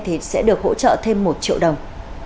thì sẽ được hỗ trợ thêm một triệu đồng